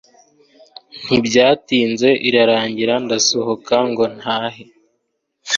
ntibyatinze irarangira ndasohoka ngo ntahe